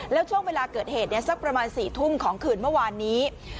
แล้วช่วงเวลาเกิดเหตุสักประมาณ๔ทุ่มของคืนเมื่อวานนี้